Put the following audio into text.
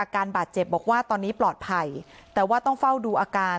การบาดเจ็บบอกว่าตอนนี้ปลอดภัยแต่ว่าต้องเฝ้าดูอาการ